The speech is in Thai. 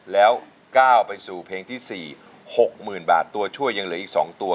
แล้วก้าวไปสู่เพลงที่๔๖๐๐๐บาทตัวช่วยยังเหลืออีก๒ตัว